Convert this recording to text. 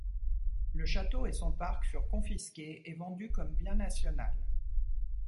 Le château et son parc furent confisqués et vendus comme Bien National.